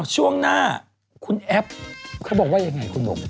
ช่วงหน้าคุณแอฟเขาบอกว่ายังไงคุณบุ๋ม